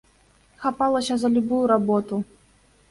Хапалася за любую работу.